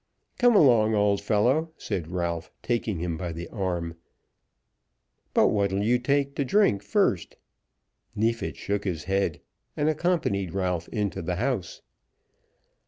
"Come along, old fellow," said Ralph, taking him by the arm. "But what'll you take to drink first?" Neefit shook his head, and accompanied Ralph into the house.